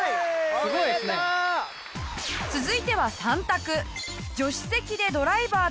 続いては３択